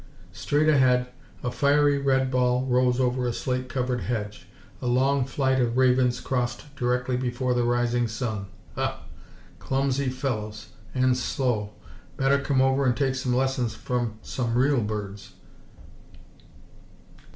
Straight ahead, a fiery red ball rose over a slate colored hedge. A long flight of ravens crossed directly before the rising sun. Huh! Clumsy fellows. And slow. Better come over and take some lessons from some real birds.